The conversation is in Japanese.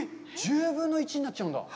１０分の１になっちゃうんだ。